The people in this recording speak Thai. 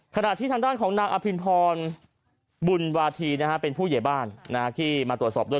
ขณะที่ทางด้านของนางอภินพรบุญวาธีเป็นผู้ใหญ่บ้านที่มาตรวจสอบด้วย